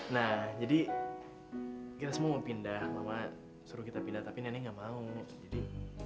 nah jadi kita semua mau pindah mama suruh kita pindah tapi nenek gak mau jadi